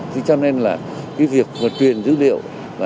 thì cho nên là cái việc truyền dữ liệu